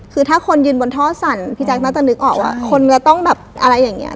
คือถ้าคนยืนบนท่อสั่นพี่แจ๊คน่าจะนึกออกว่าคนก็ต้องแบบอะไรอย่างเงี้